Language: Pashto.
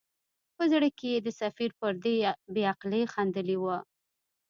په زړه کې یې د سفیر پر دې بې عقلۍ خندلي وه.